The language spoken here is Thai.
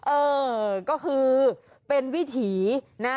เออก็คือเป็นวิถีนะ